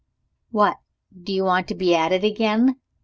"What! do you want to be at it again?"